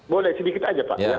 boleh sedikit aja pak